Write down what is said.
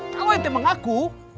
kalau ente mengaku